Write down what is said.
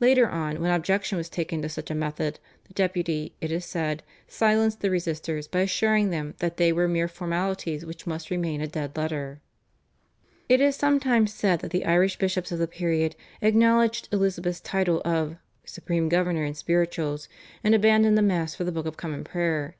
Later on, when objection was taken to such a method, the Deputy, it is said, silenced the resisters by assuring them that they were mere formalities which must remain a dead letter. It is sometimes said that the Irish bishops of the period acknowledged Elizabeth's title of "supreme governor in spirituals," and abandoned the Mass for the Book of Common Prayer.